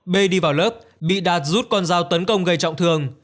b đi vào lớp bị đạt rút con dao tấn công gây trọng thương